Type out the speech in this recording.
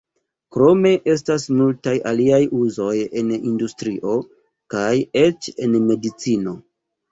Krome estas multaj aliaj uzoj en industrio, kaj eĉ en medicino.